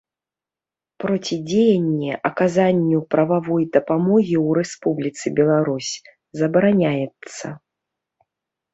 Процідзеянне аказанню прававой дапамогі ў Рэспубліцы Беларусь забараняецца.